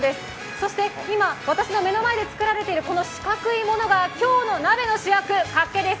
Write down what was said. そして今、私の目の前で作られている四角いものが今日の鍋の主役、かっけです。